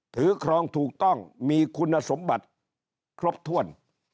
ครองถูกต้องมีคุณสมบัติครบถ้วน